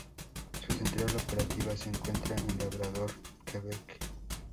Su central operativa se encuentra en Labrador, Quebec.